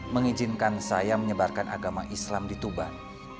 mengizinkan saya menyebarkan agama islam di tuban